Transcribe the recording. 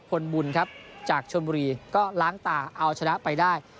พลบุญครับจากชนบุรีก็ล้างตาเอาชนะไปได้